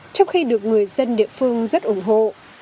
trong khi được người dân địa phương rất ủng hộ